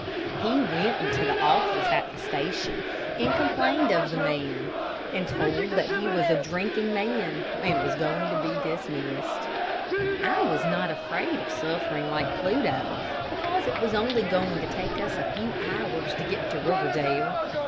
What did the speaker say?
He went into the office at the station, and complained of the man, and was told that he was a drinking man, and was going to be dismissed. I was not afraid of suffering like Pluto, because it was only going to take us a few hours to get to Riverdale.